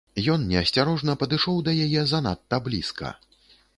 Ён неасцярожна падышоў да яе занадта блізка.